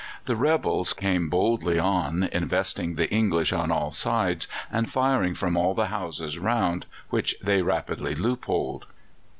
The rebels came boldly on, investing the English on all sides, and firing from all the houses round, which they rapidly loopholed.